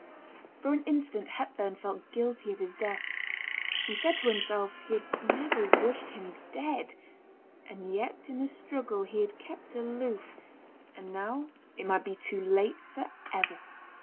For an instant Hepburn felt guilty of his death; he said to himself he had never wished him dead, and yet in the struggle he had kept aloof, and now it might be too late for ever.